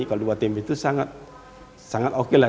kalau dibuat tempe itu sangat oke lah